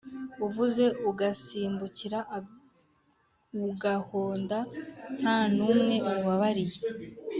uvuze ugasimbukira ugahonda ntanumwe ubabariye